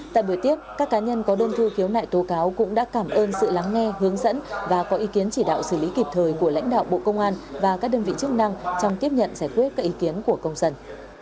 tại buổi tiếp các cá nhân có đơn thư khiếu nại tố cáo cũng đã cảm ơn sự lắng nghe hướng dẫn và có ý kiến chỉ đạo xử lý kịp thời của lãnh đạo bộ công an và các đơn vị chức năng trong tiếp nhận giải quyết các ý kiến của công dân